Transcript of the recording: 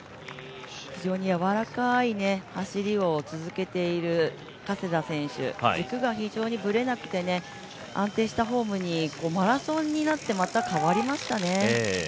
非常にやわらかい走りを続けている加世田選手、軸が非常にぶれなくて、安定したフォームにマラソンになってまた変わりましたね。